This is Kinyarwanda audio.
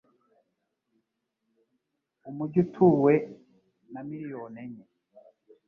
Umujyi utuwe na miliyoni enye.